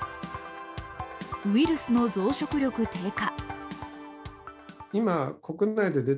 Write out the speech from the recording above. ウイルスの増殖力低下。